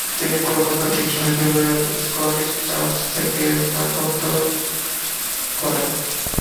তিনি কলকাতা বিশ্ববিদ্যালয়ের Scottish Church College থেকে স্নাতক করেন।